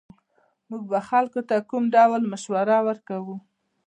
موږ به خلکو ته کوم ډول مشوره ورکوو